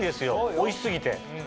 おいし過ぎて。